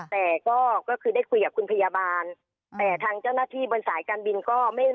แต่ก็คือได้คุยกับคุณพยาบาลแต่ทางเจ้าหน้าที่บนสายการบินก็ไม่